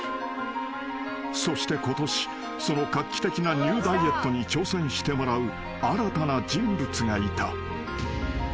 ［そしてことしその画期的なニューダイエットに挑戦してもらう新たな人物がいた］